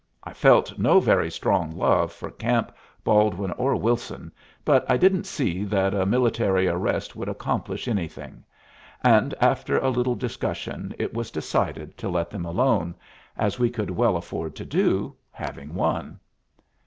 I felt no very strong love for Camp, Baldwin, or Wilson, but I didn't see that a military arrest would accomplish anything, and after a little discussion it was decided to let them alone, as we could well afford to do, having won.